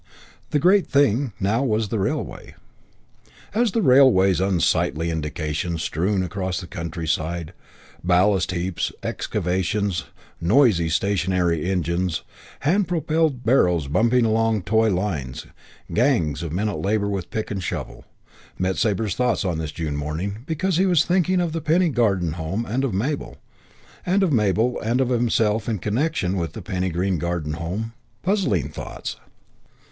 The great thing now was the railway. And the railway's unsightly indications strewn across the countryside ballast heaps, excavations, noisy stationary engines, hand propelled barrows bumping along toy lines, gangs of men at labour with pick and shovel met Sabre's thoughts on this June morning because he was thinking of the Penny Green Garden Home and of Mabel, and of Mabel and of himself in connection with the Penny Green Garden Home. Puzzling thoughts.